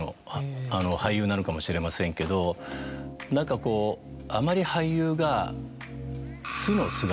なのかもしれませんけど何かこうあまり俳優が。